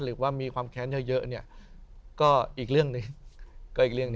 หรือว่ามีความแค้นเยอะเนี่ยก็อีกเรื่องนึง